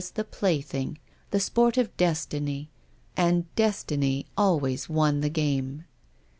v the plaything, the sport of Destiny, and Destiny always won the game.